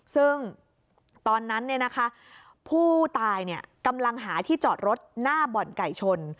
ซึ่งตอนนั้นผู้ตายกำลังหาที่จอดรถหน้าบ่อนไก่ชน